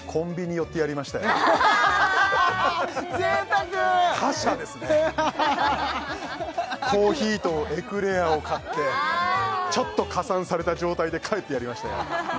確かですねコーヒーとエクレアを買ってちょっと加算された状態で帰ってやりましたよ